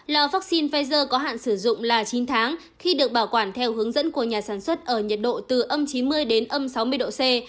lò vaccine pfizer có hạn sử dụng là chín tháng khi được bảo quản theo hướng dẫn của nhà sản xuất ở nhiệt độ từ âm chín mươi đến âm sáu mươi độ c